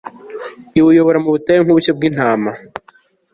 iwuyobora mu butayu nk'ubushyo bw'intama